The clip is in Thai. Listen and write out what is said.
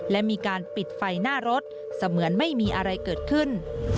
และมีการปิดไฟหน้ารถเสมือนไม่มีอะไรเกิดขึ้น